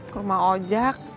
ke rumah ojak